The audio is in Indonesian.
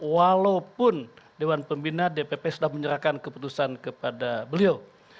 walaupun dewan pembina dpp sudah menyerahkan keputusan kepada beliau